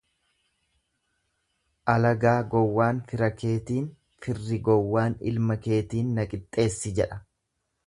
Alagaa gowwaan fira keetiin, firri gowwaan ilma keetiin na qixxeessi jedha.